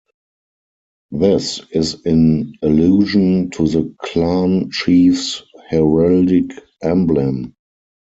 This is in allusion to the clan chief's hereldic emblem.